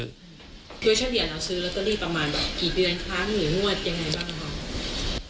ไม่เปลี่ยนเอาซื้อแล้วก็ลีกประมาณกี่เดือนครั้งหรือมวดยังไงบ้าง